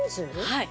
はい。